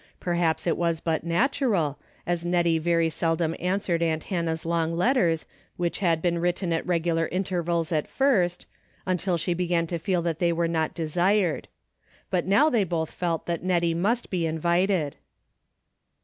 Perhaps it was but natural, as Nettie very seldom answered aunt Hannah's long letters, which had been written at regular intervals at first, until she began to feel that they were not desired. But now they both felt that Nettie must be invited.